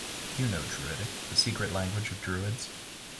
You know Druidic, the secret language of druids.